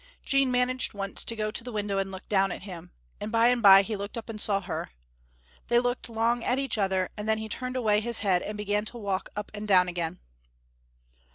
Jean managed once to go to the window and look down at him, and by and by he looked up and saw her. They looked long at each other, and then he turned away his head and began to walk up and down again.